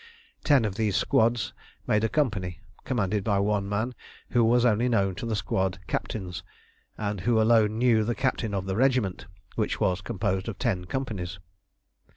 Ten of these squads made a company, commanded by one man, who was only known to the squad captains, and who alone knew the captain of the regiment, which was composed of ten companies.